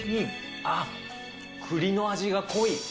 ああっ、栗の味が濃い。